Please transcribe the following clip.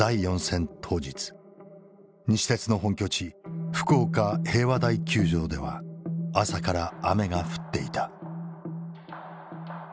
西鉄の本拠地福岡平和台球場では朝から雨が降っていた。